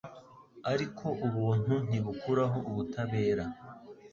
ariko ubuntu ntibukuraho ubutabera.